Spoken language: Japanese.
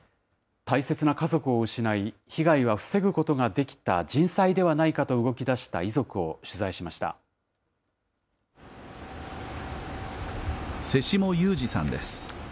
大切な家族を失い、被害は防ぐことができた人災ではないかと動き出した遺族を取材し瀬下雄史さんです。